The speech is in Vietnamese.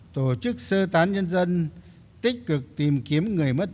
tổ chức sơ tán nhân dân tích cực tìm kiếm người mất tích